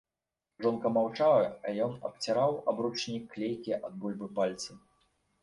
Жонка маўчала, а ён абціраў аб ручнік клейкія ад бульбы пальцы.